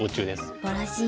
すばらしい。